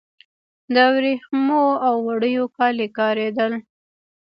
د وریښمو او وړیو کالي کاریدل